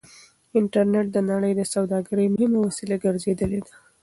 انټرنټ د نړۍ د سوداګرۍ مهمه وسيله ګرځېدلې ده.